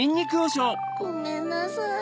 ごめんなさい。